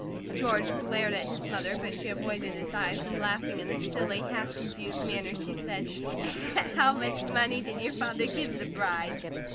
George glared at his mother, but she avoided his eyes, and laughing in a silly, half confused manner she said: "How much money did your father give the bride?"